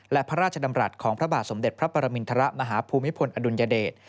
และพระราชดำรัฐของพระบาทสมเด็จพระปรมินทรมาฮภูมิพลอดุลยเดช